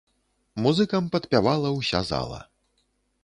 Музыкам падпявала ўся зала.